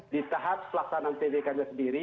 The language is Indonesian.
di tahap pelaksanaan tvk sendiri